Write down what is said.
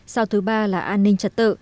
sao thứ ba là an ninh trật tự